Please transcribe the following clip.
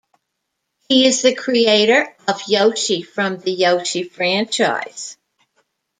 He is the creator of Yoshi from the "Yoshi" franchise.